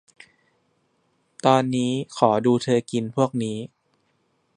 ตอนนี้ขอดูเธอกินพวกนี้